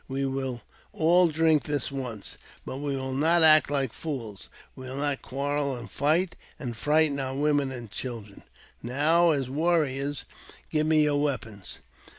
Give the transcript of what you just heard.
We will all drink this once, but we will not act like fools ; we will not quarrel and fight, and frighten our women and children. Now, warriors, give me your weapons."